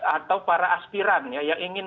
atau para aspiran ya yang ingin